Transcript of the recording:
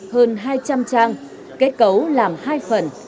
hơn hai trăm linh trang kết cấu làm hai phần